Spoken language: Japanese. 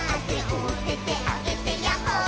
「おててあげてヤッホー」